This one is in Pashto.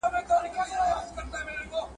لومړی غزل